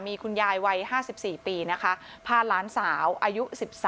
มีคุณยายวัย๕๔ปีนะคะพาหลานสาวอายุ๑๓